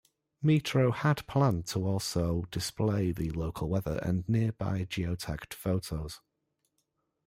Meetro had planned to also display the local weather and nearby geotagged photos.